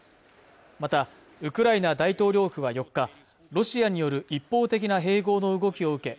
またウクライナ大統領府は４日ロシアによる一方的な併合の動きを受け